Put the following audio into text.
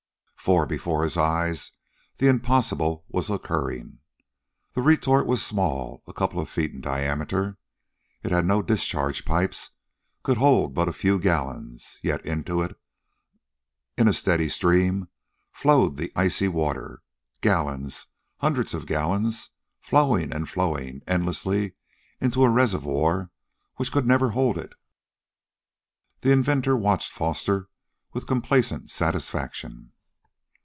For, before his eyes, the impossible was occurring. The retort was small, a couple of feet in diameter. It had no discharge pipes, could hold but a few gallons. Yet into it, in a steady stream, flowed the icy water. Gallons, hundreds of gallons, flowing and flowing, endlessly, into a reservoir which could never hold it. The inventor watched Foster with complacent satisfaction.